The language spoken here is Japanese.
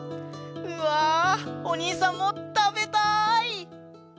うわおにいさんもたべたい！